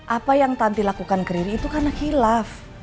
apa yang tanti lakukan ke riri itu karena kilaf